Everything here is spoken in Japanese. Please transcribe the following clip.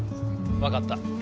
分かった。